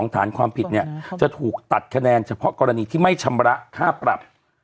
ฐานความผิดเนี่ยจะถูกตัดคะแนนเฉพาะกรณีที่ไม่ชำระค่าปรับ